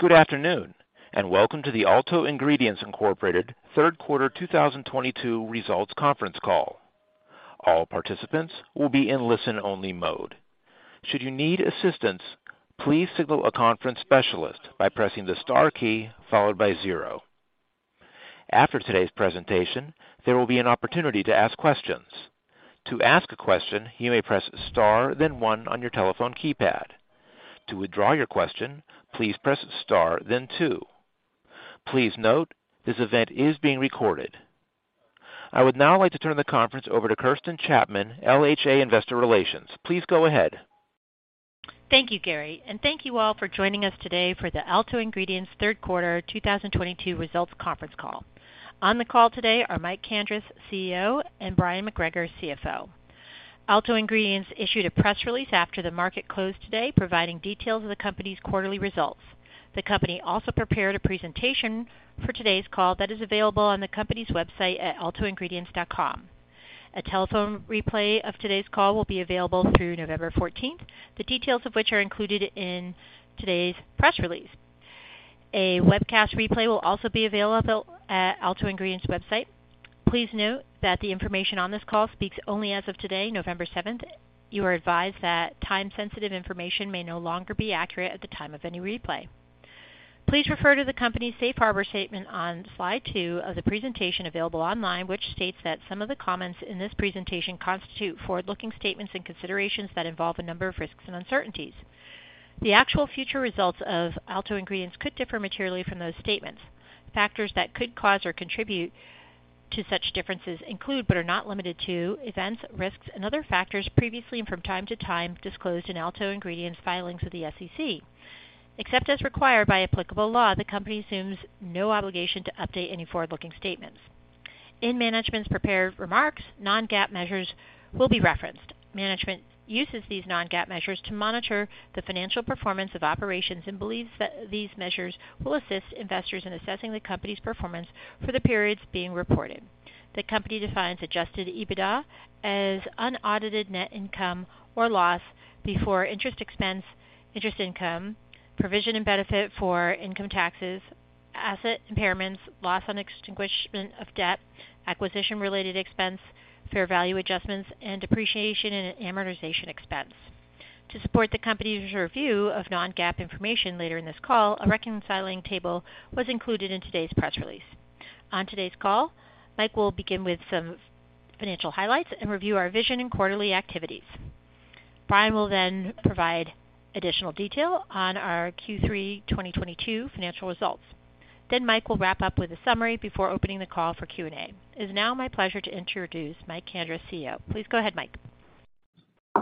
Good afternoon, and welcome to the Alto Ingredients Incorporated third quarter 2022 results conference call. All participants will be in listen-only mode. Should you need assistance, please signal a conference specialist by pressing the star key followed by zero. After today's presentation, there will be an opportunity to ask questions. To ask a question, you may press star then one on your telephone keypad. To withdraw your question, please press star then two. Please note, this event is being recorded. I would now like to turn the conference over to Kirsten Chapman, LHA Investor Relations. Please go ahead. Thank you, Gary, and thank you all for joining us today for the Alto Ingredients third quarter 2022 results conference call. On the call today are Mike Kandris, CEO, and Bryon McGregor, CFO. Alto Ingredients issued a press release after the market closed today providing details of the company's quarterly results. The company also prepared a presentation for today's call that is available on the company's website at altoingredients.com. A telephone replay of today's call will be available through November 14th. The details of which are included in today's press release. A webcast replay will also be available at Alto Ingredients website. Please note that the information on this call speaks only as of today, November 7th. You are advised that time-sensitive information may no longer be accurate at the time of any replay. Please refer to the company's safe harbor statement on slide two of the presentation available online, which states that some of the comments in this presentation constitute forward-looking statements and considerations that involve a number of risks and uncertainties. The actual future results of Alto Ingredients could differ materially from those statements. Factors that could cause or contribute to such differences include, but are not limited to, events, risks, and other factors previously and from time to time disclosed in Alto Ingredients' filings with the SEC. Except as required by applicable law, the company assumes no obligation to update any forward-looking statements. In management's prepared remarks, non-GAAP measures will be referenced. Management uses these non-GAAP measures to monitor the financial performance of operations and believes that these measures will assist investors in assessing the company's performance for the periods being reported. The company defines Adjusted EBITDA as unaudited net income or loss before interest expense, interest income, provision and benefit for income taxes, asset impairments, loss on extinguishment of debt, acquisition-related expense, fair value adjustments, and depreciation and amortization expense. To support the company's review of non-GAAP information later in this call, a reconciling table was included in today's press release. On today's call, Mike will begin with some financial highlights and review our vision and quarterly activities. Bryon will then provide additional detail on our Q3 2022 financial results. Mike will wrap up with a summary before opening the call for Q&A. It is now my pleasure to introduce Mike Kandris, CEO. Please go ahead, Mike.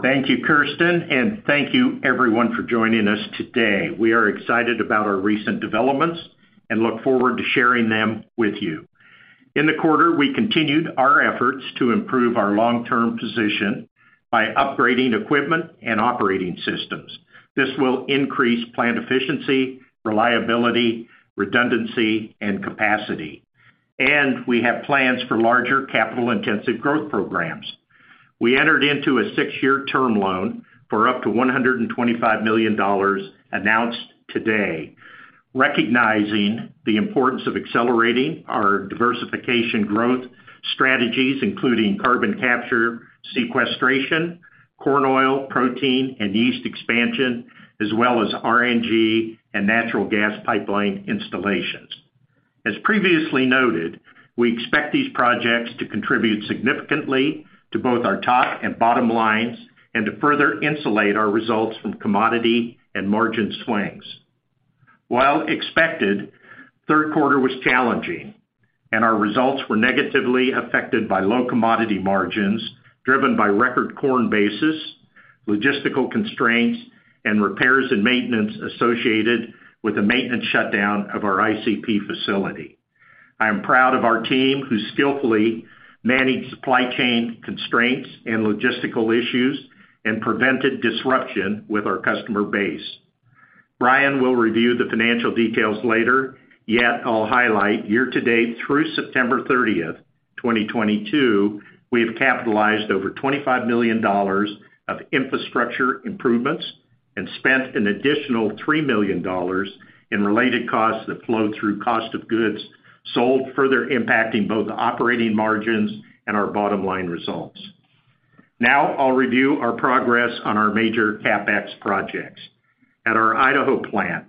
Thank you, Kirsten, and thank you everyone for joining us today. We are excited about our recent developments and look forward to sharing them with you. In the quarter, we continued our efforts to improve our long-term position by upgrading equipment and operating systems. This will increase plant efficiency, reliability, redundancy, and capacity. We have plans for larger capital-intensive growth programs. We entered into a six-year term loan for up to $125 million announced today, recognizing the importance of accelerating our diversification growth strategies, including carbon capture sequestration, corn oil, protein, and yeast expansion, as well as RNG and natural gas pipeline installations. As previously noted, we expect these projects to contribute significantly to both our top and bottom lines and to further insulate our results from commodity and margin swings. While expected, third quarter was challenging and our results were negatively affected by low commodity margins driven by record corn basis, logistical constraints, and repairs and maintenance associated with the maintenance shutdown of our ICP facility. I am proud of our team who skillfully managed supply chain constraints and logistical issues and prevented disruption with our customer base. Bryon will review the financial details later, yet I'll highlight year-to-date through September thirtieth, 2022, we have capitalized over $25 million of infrastructure improvements and spent an additional $3 million in related costs that flow through cost of goods sold, further impacting both operating margins and our bottom-line results. Now I'll review our progress on our major CapEx projects. At our Idaho plant,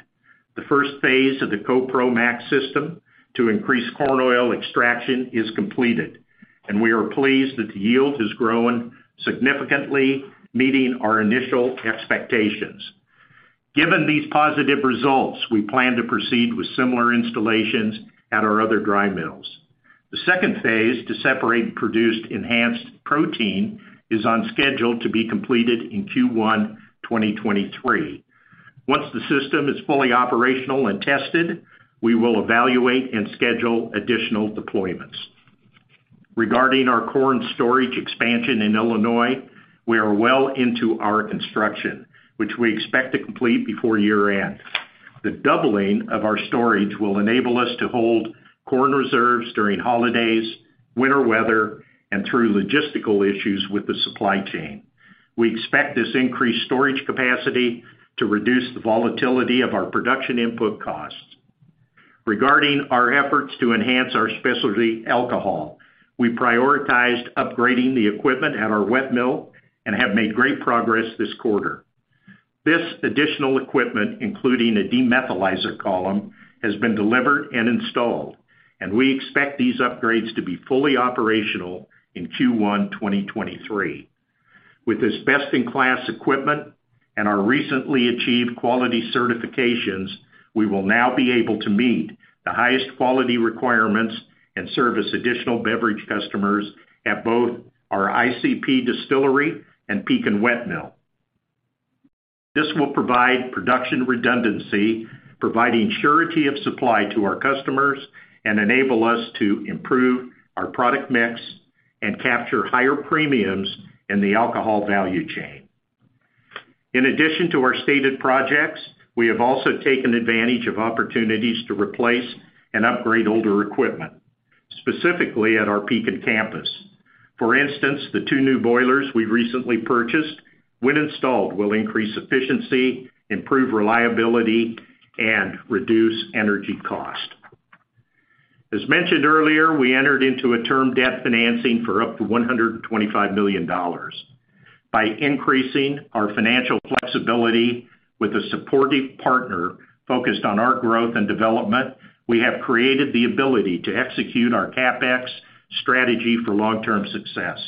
the first phase of the CoPro Max system to increase corn oil extraction is completed, and we are pleased that the yield has grown significantly, meeting our initial expectations. Given these positive results, we plan to proceed with similar installations at our other dry mills. The second phase to separate produced enhanced protein is on schedule to be completed in Q1 2023. Once the system is fully operational and tested, we will evaluate and schedule additional deployments. Regarding our corn storage expansion in Illinois, we are well into our construction, which we expect to complete before year-end. The doubling of our storage will enable us to hold corn reserves during holidays, winter weather and through logistical issues with the supply chain. We expect this increased storage capacity to reduce the volatility of our production input costs. Regarding our efforts to enhance our specialty alcohol, we prioritized upgrading the equipment at our wet mill and have made great progress this quarter. This additional equipment, including a demethanizer column, has been delivered and installed, and we expect these upgrades to be fully operational in Q1 2023. With this best-in-class equipment and our recently achieved quality certifications, we will now be able to meet the highest quality requirements and service additional beverage customers at both our ICP distillery and Pekin wet mill. This will provide production redundancy, providing surety of supply to our customers and enable us to improve our product mix and capture higher premiums in the alcohol value chain. In addition to our stated projects, we have also taken advantage of opportunities to replace and upgrade older equipment, specifically at our Pekin campus. For instance, the two new boilers we recently purchased, when installed, will increase efficiency, improve reliability, and reduce energy cost. As mentioned earlier, we entered into a term debt financing for up to $125 million. By increasing our financial flexibility with a supportive partner focused on our growth and development, we have created the ability to execute our CapEx strategy for long-term success.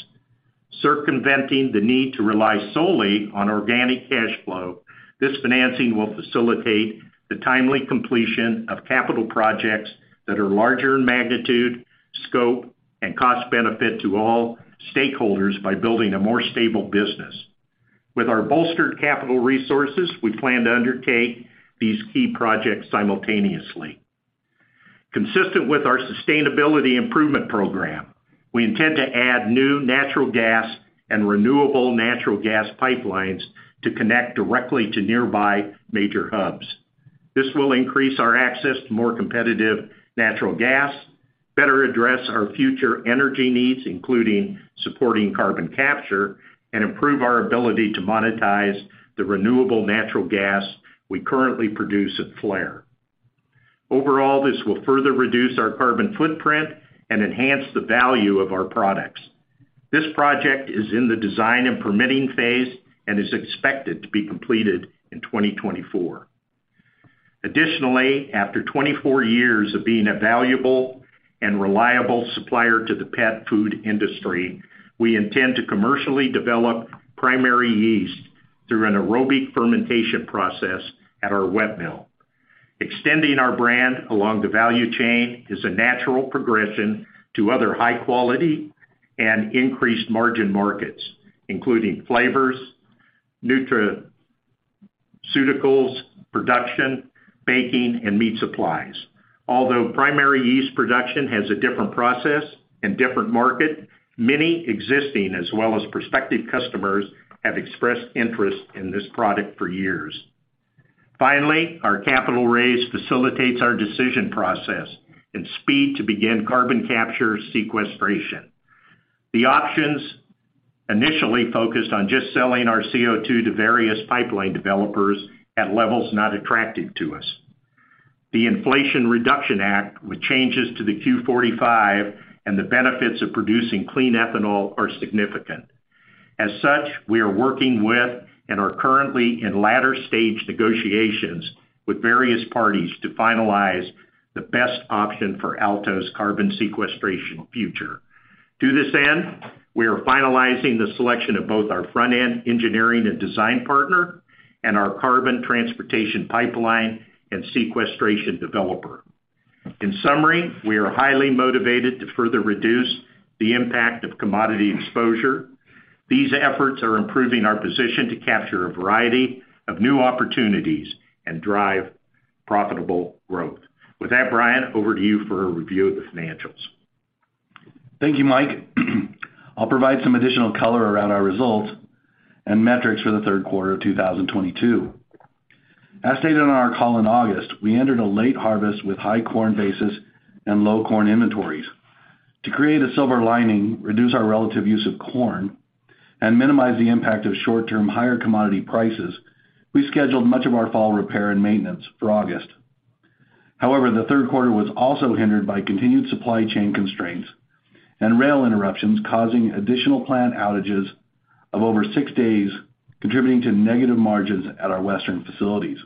Circumventing the need to rely solely on organic cash flow, this financing will facilitate the timely completion of capital projects that are larger in magnitude, scope, and cost benefit to all stakeholders by building a more stable business. With our bolstered capital resources, we plan to undertake these key projects simultaneously. Consistent with our sustainability improvement program, we intend to add new natural gas and renewable natural gas pipelines to connect directly to nearby major hubs. This will increase our access to more competitive natural gas, better address our future energy needs, including supporting carbon capture, and improve our ability to monetize the renewable natural gas we currently produce at Flare. Overall, this will further reduce our carbon footprint and enhance the value of our products. This project is in the design and permitting phase and is expected to be completed in 2024. Additionally, after 24 years of being a valuable and reliable supplier to the pet food industry, we intend to commercially develop primary yeast through an aerobic fermentation process at our wet mill. Extending our brand along the value chain is a natural progression to other high quality and increased margin markets, including flavors, nutraceuticals, production, baking, and meat supplies. Although primary yeast production has a different process and different market, many existing as well as prospective customers have expressed interest in this product for years. Finally, our capital raise facilitates our decision process and speed to begin carbon capture and sequestration. The options initially focused on just selling our CO2 to various pipeline developers at levels not attractive to us. The Inflation Reduction Act, with changes to the 45Q and the benefits of producing clean ethanol are significant. As such, we are working with and are currently in later stage negotiations with various parties to finalize the best option for Alto's carbon sequestration future. To this end, we are finalizing the selection of both our front-end engineering and design partner and our carbon transportation pipeline and sequestration developer. In summary, we are highly motivated to further reduce the impact of commodity exposure. These efforts are improving our position to capture a variety of new opportunities and drive profitable growth. With that, Bryon, over to you for a review of the financials. Thank you, Mike. I'll provide some additional color around our results and metrics for the third quarter of 2022. As stated on our call in August, we entered a late harvest with high corn basis and low corn inventories. To create a silver lining, reduce our relative use of corn, and minimize the impact of short-term higher commodity prices, we scheduled much of our fall repair and maintenance for August. However, the third quarter was also hindered by continued supply chain constraints and rail interruptions causing additional plant outages of over six days, contributing to negative margins at our Western facilities.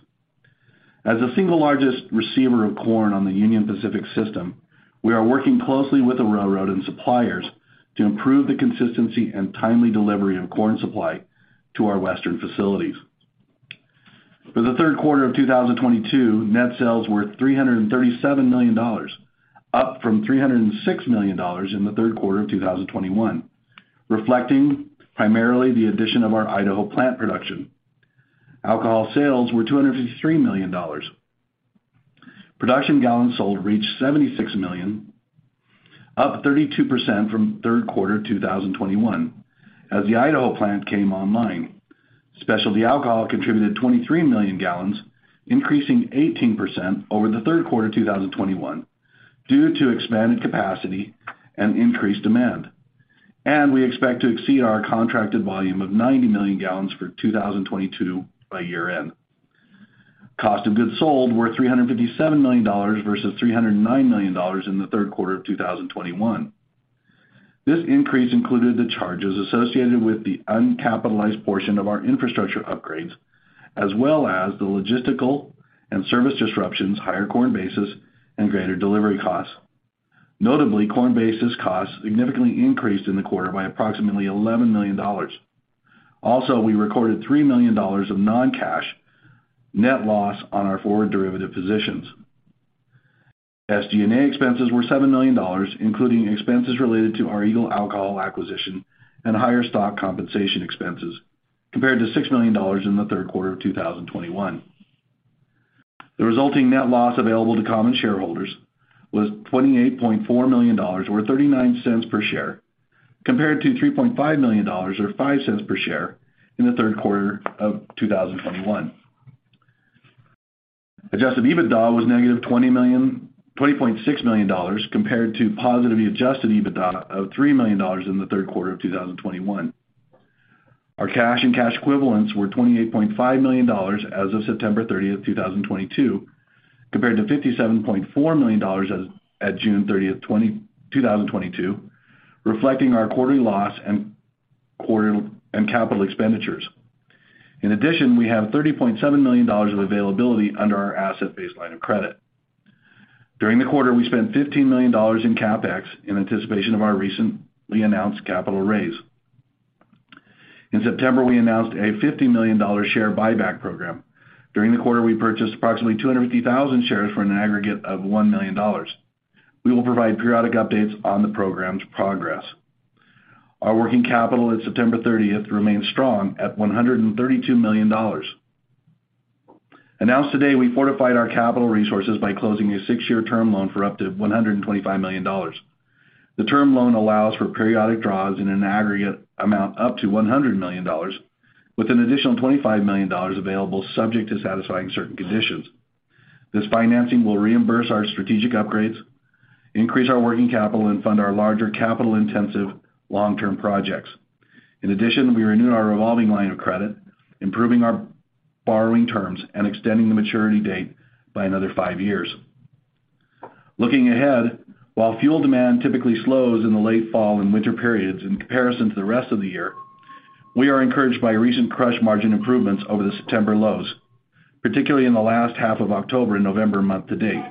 As the single largest receiver of corn on the Union Pacific system, we are working closely with the railroad and suppliers to improve the consistency and timely delivery of corn supply to our Western facilities. For the third quarter of 2022, net sales were $337 million, up from $306 million in the third quarter of 2021, reflecting primarily the addition of our Idaho plant production. Alcohol sales were $253 million. Production gallons sold reached 76 million, up 32% from third quarter 2021 as the Idaho plant came online. Specialty alcohol contributed 23 million gallons, increasing 18% over the third quarter 2021 due to expanded capacity and increased demand. We expect to exceed our contracted volume of 90 million gallons for 2022 by year-end. Cost of goods sold were $357 million versus $309 million in the third quarter of 2021. This increase included the charges associated with the uncapitalized portion of our infrastructure upgrades, as well as the logistical and service disruptions, higher corn basis, and greater delivery costs. Notably, corn basis costs significantly increased in the quarter by approximately $11 million. Also, we recorded $3 million of non-cash net loss on our forward derivative positions. SG&A expenses were $7 million, including expenses related to our Eagle Alcohol acquisition and higher stock compensation expenses, compared to $6 million in the third quarter of 2021. The resulting net loss available to common shareholders was $28.4 million or $0.39 per share, compared to $3.5 million or $0.05 per share in the third quarter of 2021. Adjusted EBITDA was -$20.6 million compared to positive Adjusted EBITDA of $3 million in the third quarter of 2021. Our cash and cash equivalents were $28.5 million as of September 30th, 2022, compared to $57.4 million as of June 30th, 2022, reflecting our quarterly loss and capital expenditures. In addition, we have $30.7 million of availability under our asset-based line of credit. During the quarter, we spent $15 million in CapEx in anticipation of our recently announced capital raise. In September, we announced a $50 million share buyback program. During the quarter, we purchased approximately 250,000 shares for an aggregate of $1 million. We will provide periodic updates on the program's progress. Our working capital at September 30 remains strong at $132 million. Announced today, we fortified our capital resources by closing a six-year term loan for up to $125 million. The term loan allows for periodic draws in an aggregate amount up to $100 million, with an additional $25 million available subject to satisfying certain conditions. This financing will reimburse our strategic upgrades, increase our working capital, and fund our larger capital-intensive long-term projects. In addition, we renewed our revolving line of credit, improving our borrowing terms and extending the maturity date by another five years. Looking ahead, while fuel demand typically slows in the late fall and winter periods in comparison to the rest of the year, we are encouraged by recent crush margin improvements over the September lows, particularly in the last half of October and November month to date.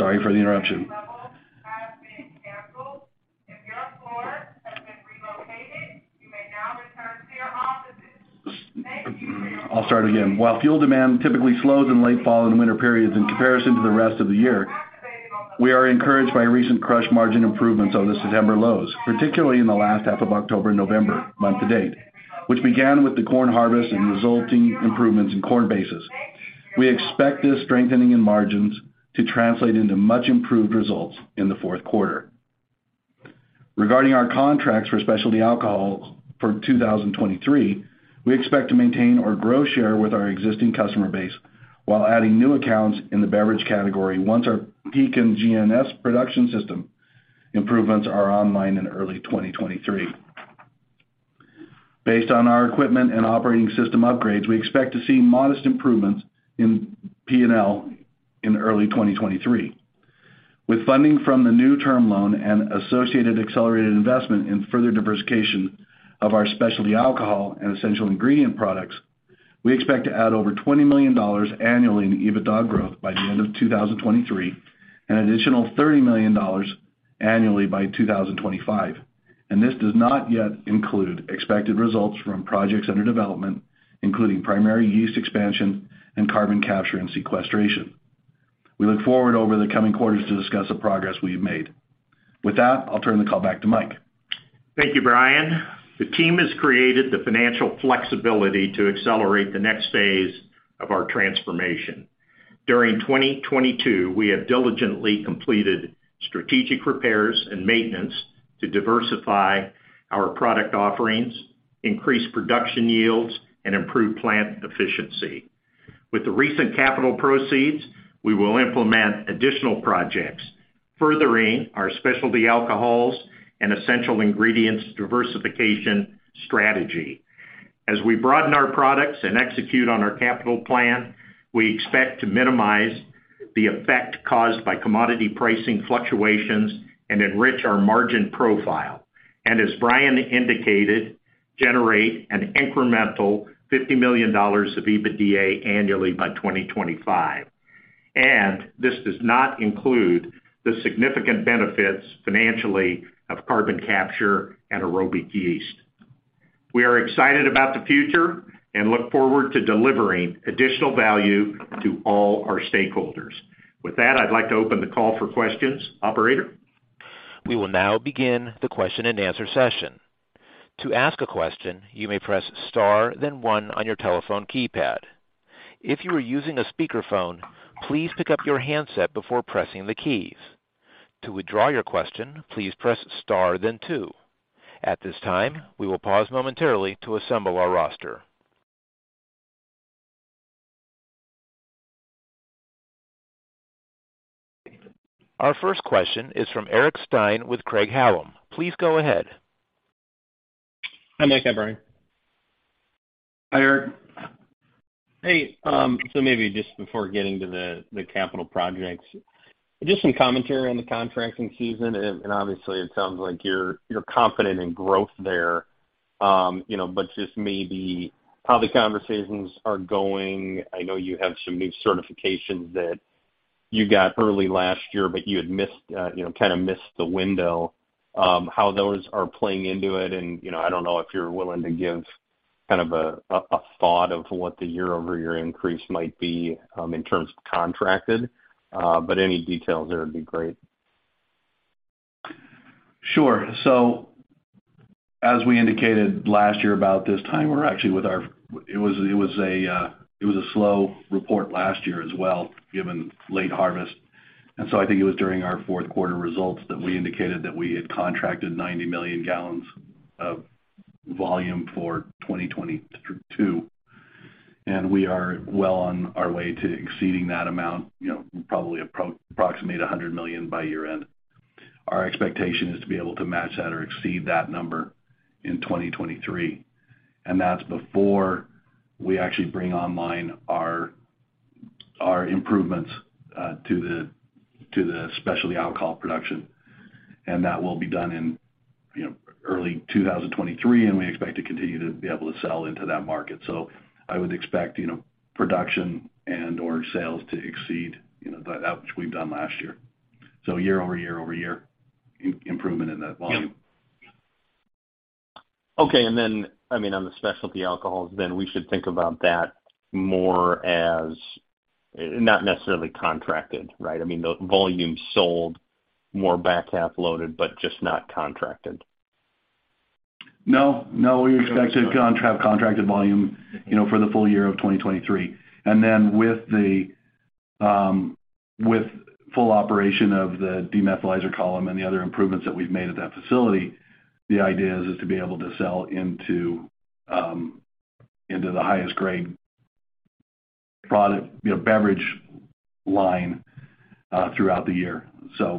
Attention, please. The fire alarm just activated on the basement ground floor. Sorry for the interruption. has been canceled. If your floor has been relocated, you may now return to your offices. Thank you. I'll start again. While fuel demand typically slows in late fall and winter periods in comparison to the rest of the year. The fire alarm has activated. We are encouraged by recent crush margin improvements over the September lows, particularly in the last half of October and November month to date, which began with the corn harvest and resulting improvements in corn basis. We expect this strengthening in margins to translate into much improved results in the fourth quarter. Regarding our contracts for specialty alcohol for 2023, we expect to maintain or grow share with our existing customer base while adding new accounts in the beverage category once our Pekin and GNS production system improvements are online in early 2023. Based on our equipment and operating system upgrades, we expect to see modest improvements in P&L in early 2023. With funding from the new term loan and associated accelerated investment in further diversification of our specialty alcohol and essential ingredient products, we expect to add over $20 million annually in EBITDA growth by the end of 2023, an additional $30 million annually by 2025, and this does not yet include expected results from projects under development, including primary yeast expansion and carbon capture and sequestration. We look forward over the coming quarters to discuss the progress we've made. With that, I'll turn the call back to Mike. Thank you, Bryon. The team has created the financial flexibility to accelerate the next phase of our transformation. During 2022, we have diligently completed strategic repairs and maintenance to diversify our product offerings, increase production yields, and improve plant efficiency. With the recent capital proceeds, we will implement additional projects, furthering our specialty alcohols and essential ingredients diversification strategy. As we broaden our products and execute on our capital plan, we expect to minimize the effect caused by commodity pricing fluctuations and enrich our margin profile and, as Bryon indicated, generate an incremental $50 million of EBITDA annually by 2025. This does not include the significant benefits financially of carbon capture and aerobic yeast. We are excited about the future and look forward to delivering additional value to all our stakeholders. With that, I'd like to open the call for questions. Operator? We will now begin the question-and-answer session. To ask a question, you may press star then one on your telephone keypad. If you are using a speakerphone, please pick up your handset before pressing the keys. To withdraw your question, please press star then two. At this time, we will pause momentarily to assemble our roster. Our first question is from Eric Stine with Craig-Hallum. Please go ahead. Hi, Mike and Bryon. Hi, Eric. Hey. Maybe just before getting to the capital projects, just some commentary on the contracting season. Obviously it sounds like you're confident in growth there, you know, but just maybe how the conversations are going. I know you have some new certifications that you got early last year, but you had missed, you know, kind of missed the window. How those are playing into it and, you know, I don't know if you're willing to give kind of a thought of what the year-over-year increase might be, in terms of contracted. Any details there would be great. Sure. As we indicated last year about this time, we're actually with our. It was a slow report last year as well, given late harvest. I think it was during our fourth quarter results that we indicated that we had contracted 90 million gallons of volume for 2022. We are well on our way to exceeding that amount, you know, probably approximately 100 million by year-end. Our expectation is to be able to match that or exceed that number in 2023. That's before we actually bring online our improvements to the specialty alcohol production. That will be done in, you know, early 2023, and we expect to continue to be able to sell into that market. I would expect, you know, production and/or sales to exceed, you know, that which we've done last year. Year-over-year improvement in that volume. Yeah. Okay. I mean, on the specialty alcohols, then we should think about that more as not necessarily contracted, right? I mean, the volume sold more back half loaded, but just not contracted. No, no, we expect to have contracted volume, you know, for the full year of 2023. Then with the, with full operation of the demethanizer column and the other improvements that we've made at that facility, the idea is to be able to sell into the highest grade product, you know, beverage line, throughout the year.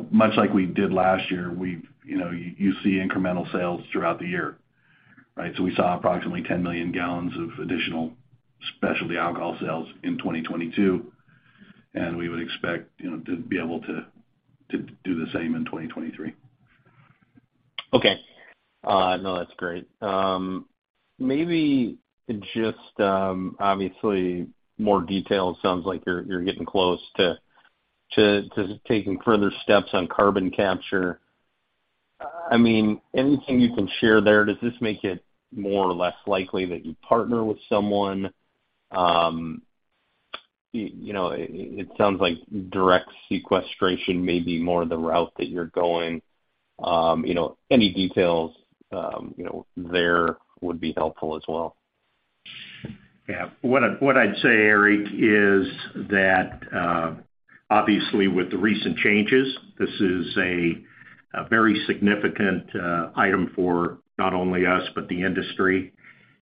Much like we did last year, we've, you know, you see incremental sales throughout the year, right? We saw approximately 10 million gallons of additional specialty alcohol sales in 2022, and we would expect, you know, to be able to do the same in 2023. Okay. No, that's great. Maybe just, obviously more details. Sounds like you're getting close to taking further steps on carbon capture. I mean, anything you can share there, does this make it more or less likely that you partner with someone? You know, it sounds like direct sequestration may be more the route that you're going. You know, any details there would be helpful as well. Yeah. What I'd say, Eric, is that obviously with the recent changes, this is a very significant item for not only us, but the industry.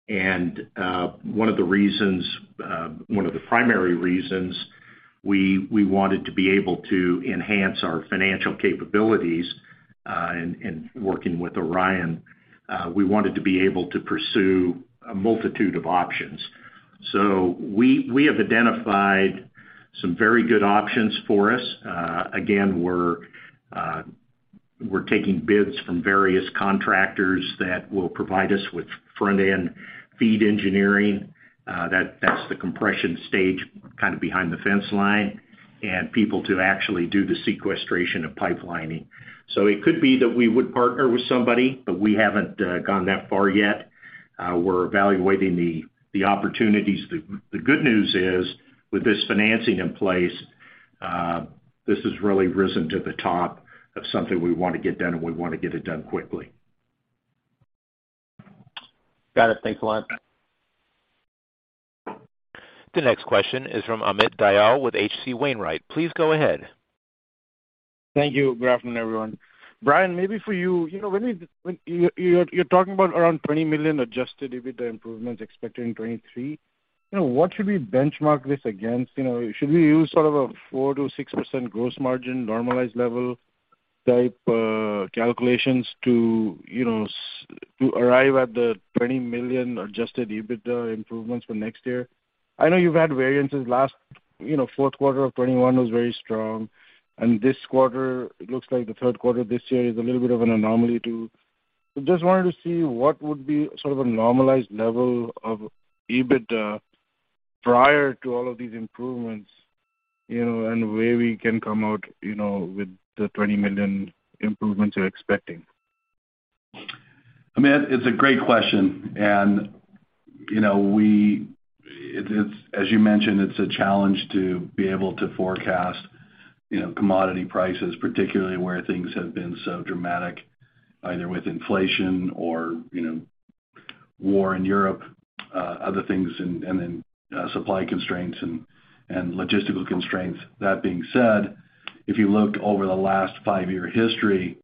One of the primary reasons we wanted to be able to enhance our financial capabilities in working with Orion, we wanted to be able to pursue a multitude of options. We have identified some very good options for us. Again, we're taking bids from various contractors that will provide us with front-end engineering design, that's the compression stage kind of behind the fence line, and people to actually do the sequestration and pipelining. It could be that we would partner with somebody, but we haven't gone that far yet. We're evaluating the opportunities. The good news is, with this financing in place, this has really risen to the top of something we want to get done, and we want to get it done quickly. Got it. Thanks a lot. The next question is from Amit Dayal with H.C. Wainwright. Please go ahead. Thank you, Good afternoon everyone. Bryon, maybe for you. You know, when you're talking about around $20 million Adjusted EBITDA improvements expected in 2023, you know, what should we benchmark this against? You know, should we use sort of a 4%-6% gross margin normalized level type calculations to, you know, to arrive at the $20 million Adjusted EBITDA improvements for next year? I know you've had variances. Last, you know, fourth quarter of 2021 was very strong. This quarter, it looks like the third quarter this year is a little bit of an anomaly too. Just wanted to see what would be sort of a normalized level of EBITDA prior to all of these improvements, you know, and where we can come out, you know, with the $20 million improvements you're expecting. Amit, it's a great question. You know, as you mentioned, it's a challenge to be able to forecast, you know, commodity prices, particularly where things have been so dramatic, either with inflation or, you know, war in Europe, other things and then supply constraints and logistical constraints. That being said, if you looked over the last five-year history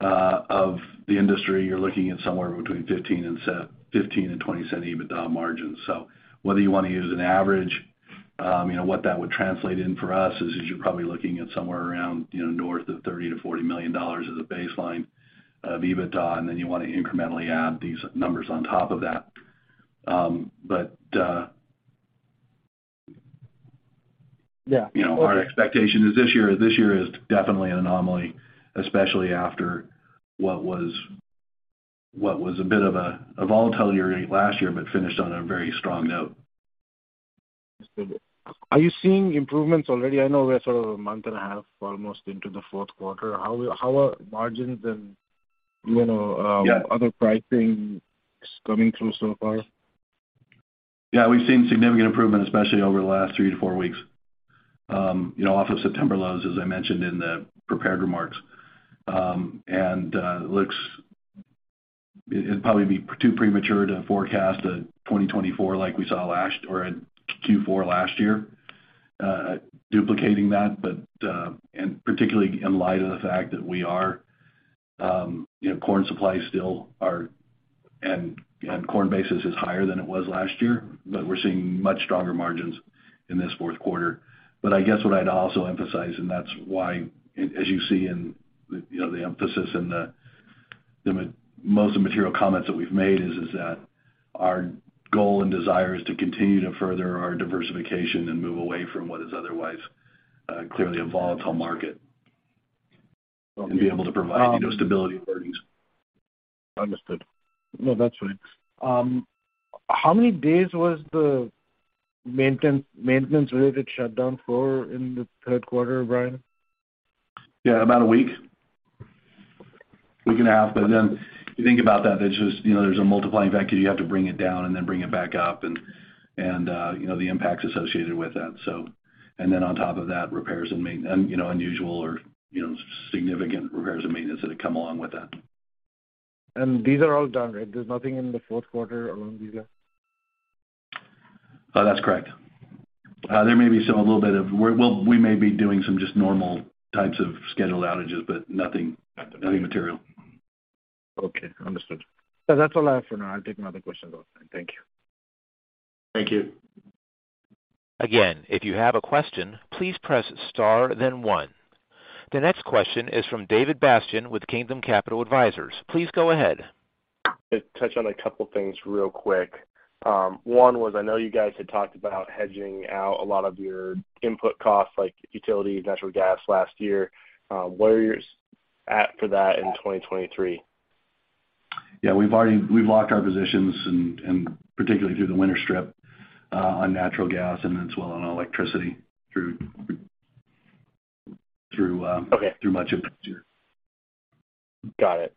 of the industry, you're looking at somewhere between 15- and 20-cent EBITDA margins. So whether you wanna use an average, you know, what that would translate in for us is you're probably looking at somewhere around, you know, north of $30-$40 million as a baseline of EBITDA, and then you wanna incrementally add these numbers on top of that. Yeah. You know, our expectation is this year is definitely an anomaly, especially after what was a bit of a volatile year last year, but finished on a very strong note. Understood. Are you seeing improvements already? I know we're sort of a month and a half almost into the fourth quarter. How are margins and, you know, other pricings coming through so far? Yeah, we've seen significant improvement, especially over the last three-four weeks, you know, off of September lows, as I mentioned in the prepared remarks. Looks like it'd probably be too premature to forecast a 2024 like we saw last or a Q4 last year, duplicating that. Particularly in light of the fact that corn supplies still are and corn basis is higher than it was last year, but we're seeing much stronger margins in this fourth quarter. I guess what I'd also emphasize, and that's why, as you see in, you know, the emphasis in the most of the material comments that we've made is that our goal and desire is to continue to further our diversification and move away from what is otherwise clearly a volatile market and be able to provide, you know, stability for our earnings. Understood. No, that's fine. How many days was the maintenance-related shutdown for in the third quarter, Bryon? Yeah, about a week. Week and a half. You think about that, there's just, you know, there's a multiplying factor. You have to bring it down and then bring it back up and you know, the impacts associated with that. On top of that, repairs and you know, unusual or, you know, significant repairs and maintenance that have come along with that. These are all done, right? There's nothing in the fourth quarter around these, yeah? That's correct. There may be some. Well, we may be doing some just normal types of scheduled outages, but nothing material. Okay. Understood. That's all I have for now. I'll take other questions offline. Thank you. Thank you. Again, if you have a question, please press star then one. The next question is from David Bastian with Kingdom Capital Advisors. Please go ahead. To touch on a couple things real quick. One was, I know you guys had talked about hedging out a lot of your input costs like utility, natural gas last year. Where are you at for that in 2023? Yeah. We've locked our positions and particularly through the winter strip on natural gas and then as well on electricity through Okay. Through much of next year. Got it.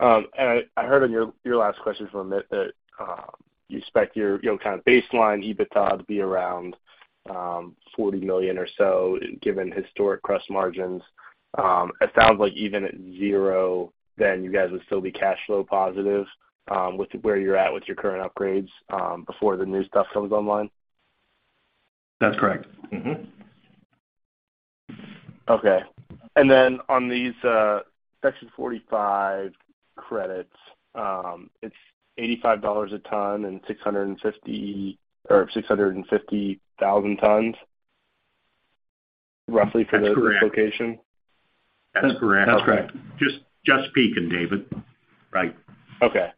I heard on your last question that you expect your, you know, kind of baseline EBITDA to be around $40 million or so given historic crush margins. It sounds like even at zero then you guys would still be cash flow positive with where you're at with your current upgrades before the new stuff comes online. That's correct. Okay. On these, Section 45Q credits, it's $85 a ton and 650 or 650 thousand tons roughly for this location? That's correct. That's correct. That's correct. Just speaking, David, right? Okay.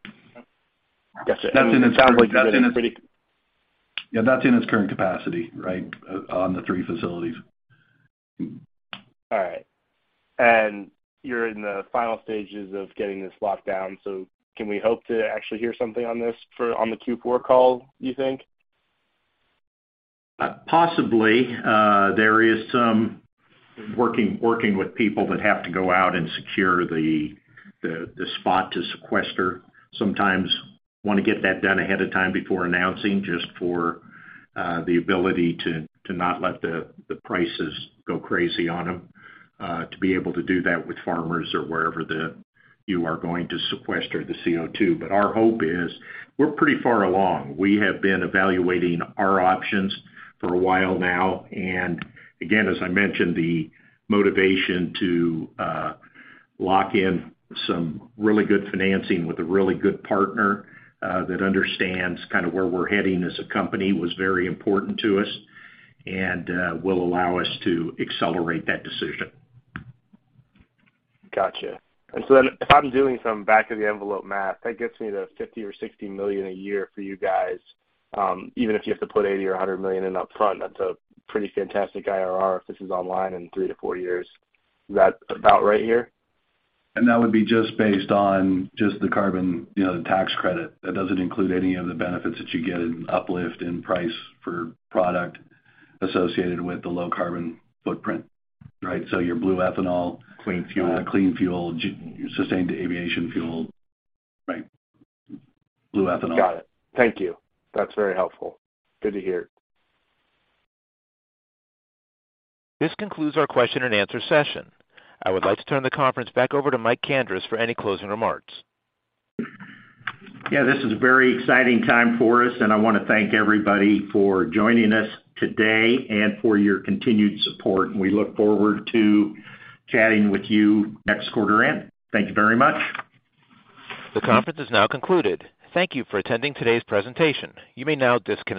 That's in its current. It sounds like you got a pretty. Yeah, that's in its current capacity, right, on the three facilities. All right. You're in the final stages of getting this locked down, so can we hope to actually hear something on this on the Q4 call, do you think? Possibly. There is some working with people that have to go out and secure the spot to sequester. Sometimes wanna get that done ahead of time before announcing just for the ability to not let the prices go crazy on them, to be able to do that with farmers or wherever you are going to sequester the CO2. Our hope is we're pretty far along. We have been evaluating our options for a while now. Again, as I mentioned, the motivation to lock in some really good financing with a really good partner that understands kind of where we're heading as a company was very important to us and will allow us to accelerate that decision. Gotcha. If I'm doing some back-of-the-envelope math, that gets me to $50 million or $60 million a year for you guys, even if you have to put $80 million or $100 million in upfront, that's a pretty fantastic IRR if this is online in three-four years. Is that about right here? That would be just based on just the carbon, you know, the tax credit. That doesn't include any of the benefits that you get in uplift, in price for product associated with the low carbon footprint, right? Your blue ethanol clean fuel clean fuel, sustainable aviation fuel. Right. blue ethanol. Got it. Thank you. That's very helpful. Good to hear. This concludes our question and answer session. I would like to turn the conference back over to Mike Kandris for any closing remarks. Yeah. This is a very exciting time for us, and I wanna thank everybody for joining us today and for your continued support, and we look forward to chatting with you next quarter end. Thank you very much. The conference is now concluded. Thank you for attending today's presentation. You may now disconnect.